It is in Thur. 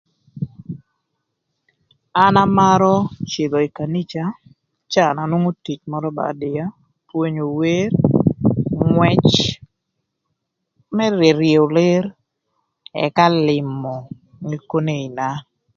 An amarö cïdhö ï kanica caa na nwongo tic mörö ba ödïa, pwonyo wer, ngwëc më ryëryëö ler, ëka lïmö nyikoneina.